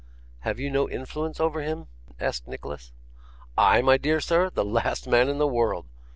'Have you no influence over him?' asked Nicholas. 'I, my dear sir! The last man in the world.